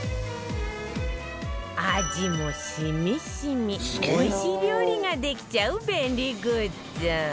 味も染み染みおいしい料理ができちゃう便利グッズ